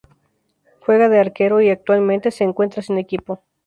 Juega de arquero y actualmente se encuentra sin equipo.